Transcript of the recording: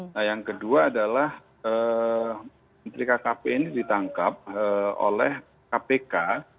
nah yang kedua adalah menteri kkp ini ditangkap oleh kpk